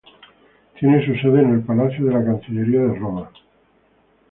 Tiene su sede en el Palacio de la Cancillería de Roma.